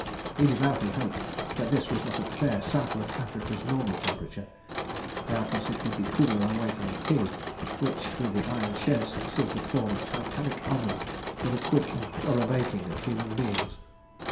He devoutly hoped that this was not a fair sample of Africa's normal temperature. Doubtless it would be cooler away from the quay, which, with the iron sheds, seemed to form a Titanic oven for the quick and thorough baking of human beings.